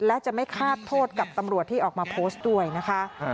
และจะไม่คาดโทษกับตำรวจที่ออกมาโพสต์ด้วยนะคะ